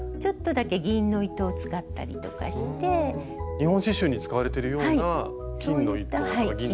日本刺しゅうに使われているような金の糸とか銀の糸。